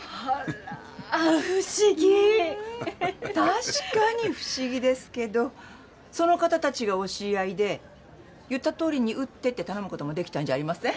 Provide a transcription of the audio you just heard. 確かに不思議ですけどその方たちがお知り合いで言ったとおりに打ってって頼むこともできたんじゃありません？